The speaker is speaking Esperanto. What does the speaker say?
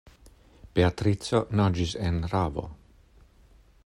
Beatrico naĝis en ravo.